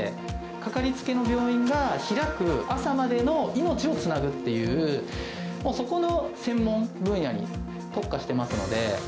かかりつけの病院が開く朝までの命をつなぐっていう、もう、そこの専門分野に特化してますので。